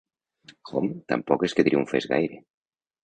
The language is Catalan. Home, tampoc és que triomfés gaire.